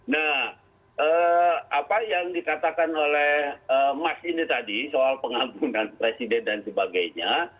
nah apa yang dikatakan oleh mas ini tadi soal pengampunan presiden dan sebagainya